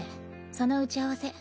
その打ち合わせ。